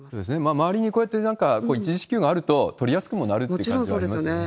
周りにこうやって、一時支給があると取りやすくなるところもありますよね。